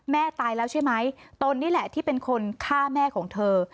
ตายแล้วใช่ไหมตนนี่แหละที่เป็นคนฆ่าแม่ของเธอ